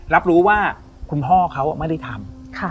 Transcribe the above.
รับรู้ว่าคุณพ่อเขาไม่ได้ทำ